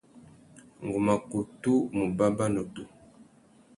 Ngu mà kutu mù bàbà nutu.